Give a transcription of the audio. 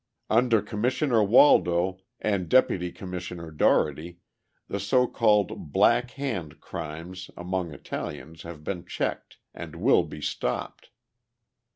Under Commissioner Waldo and Deputy Commissioner Dougherty, the so called "Black Hand" crimes among Italians have been checked, and will be stopped.